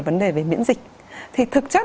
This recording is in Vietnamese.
vấn đề về miễn dịch thì thực chất